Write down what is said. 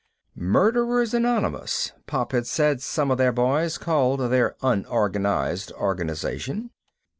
Murderers Anonymous, Pop had said some of their boys called their unorganized organization.